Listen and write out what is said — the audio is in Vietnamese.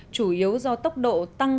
chủ yếu do tốc độ tăng